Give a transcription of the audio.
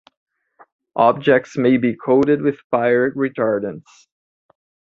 Objects may be coated with fire retardants.